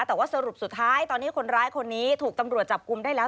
แต่ว่าสรุปสุดท้ายตอนนี้คนร้ายคนนี้ถูกตำรวจจับกลุ่มได้แล้ว